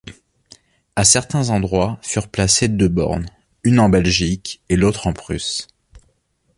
A certains endroits furent placées deux bornes, une en Belgique et l’autre en Prusse.